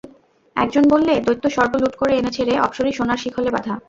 একজন বললে, দৈত্য স্বর্গ লুট করে এনেছে রে, অপ্সরী সোনার শিখলে বাঁধা।